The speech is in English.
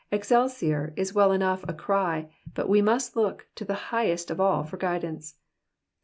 Excelsiob is well enough as a cry, but we must look to the highest of all for guidance.